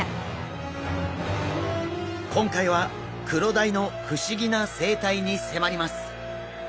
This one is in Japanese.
今回はクロダイの不思議な生態に迫ります。